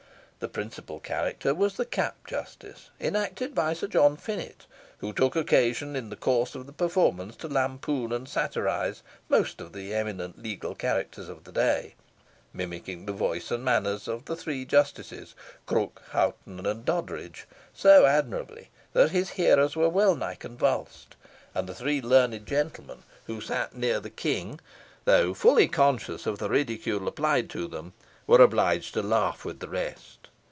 The principal character was the Cap Justice, enacted by Sir John Finett, who took occasion in the course of the performance to lampoon and satirise most of the eminent legal characters of the day, mimicking the voices and manner of the three justices Crooke, Hoghton, and Doddridge so admirably, that his hearers were wellnigh convulsed; and the three learned gentlemen, who sat near the King, though fully conscious of the ridicule applied to them, were obliged to laugh with the rest.